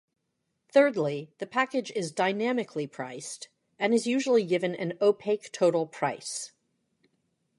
Thirdly, the package is dynamically priced and is usually given an opaque total price.